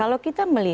kalau kita melihat